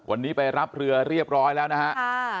วันนี้ไปรับเรือเรียบร้อยแล้วนะฮะ